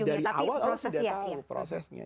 dari awal orang sudah tahu prosesnya